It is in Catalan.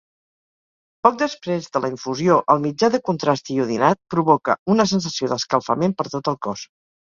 Poc després de la infusió, el mitjà de contrast iodinat provoca una sensació d'escalfament per tot el cos.